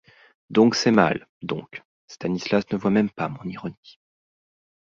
Donc c’est mal, donc… Stanislas ne voit même pas mon ironie.